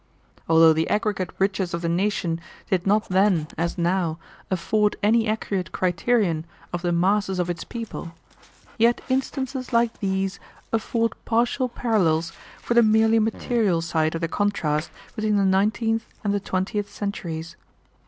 Although the aggregate riches of a nation did not then, as now, afford any accurate criterion of the masses of its people, yet instances like these afford partial parallels for the merely material side of the contrast between the nineteenth and the twentieth centuries.